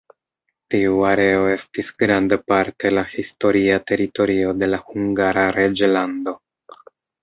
Tiu areo estis grandparte la historia teritorio de la Hungara Reĝlando.